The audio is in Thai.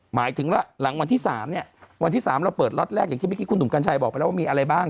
หมายถึงว่าหลังวันที่๓เนี่ยวันที่๓เราเปิดล็อตแรกอย่างที่เมื่อกี้คุณหนุ่มกัญชัยบอกไปแล้วว่ามีอะไรบ้าง